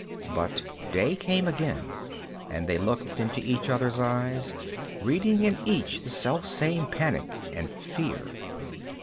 But day came again, and they looked into each other's eyes, reading in each the selfsame panic and fear.